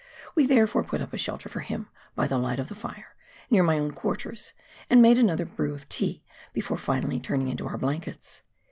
We, therefore, put up a shelter for him by the light of the fire, near my own quarters, and made another brew of tea before finally turning into our blankets.